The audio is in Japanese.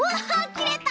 きれた！